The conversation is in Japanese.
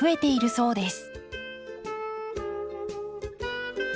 そうです。